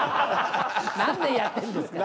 何年やってるんですか。